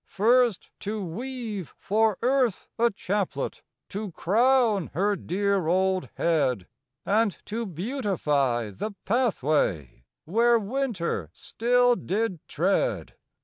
First to weave for Earth a chaplet To crown her dear old head; And to beautify the pathway Where winter still did tread.